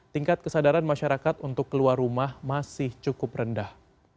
tingkat kesadaran masyarakat untuk keluar rumah masih cukup rendah